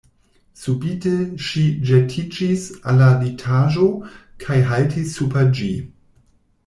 Subite ŝi ĵetiĝis al la litaĵo kaj haltis super ĝi.